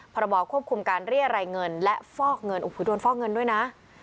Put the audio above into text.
พรบควบคุมการเรียรายเงินและฟอกเงินโอ้โหโดนฟอกเงินด้วยนะ